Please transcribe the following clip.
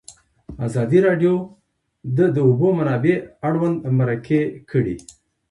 ازادي راډیو د د اوبو منابع اړوند مرکې کړي.